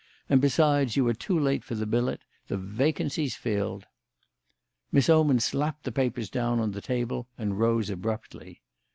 And, besides, you are too late for the billet. The vacancy's filled." Miss Oman slapped the papers down on the table and rose abruptly.